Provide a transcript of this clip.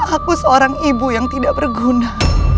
aku seorang ibu yang tidak berguna